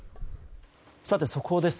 速報です。